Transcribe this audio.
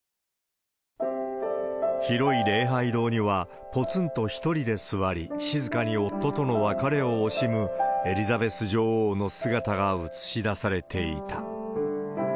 広い礼拝堂には、ぽつんと１人で座り、静かに夫との別れを惜しむエリザベス女王の姿が映し出されていた。